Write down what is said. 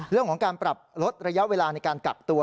เรื่องของการปรับลดระยะเวลาในการกักตัว